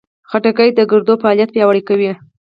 خټکی د ګردو فعالیت پیاوړی کوي.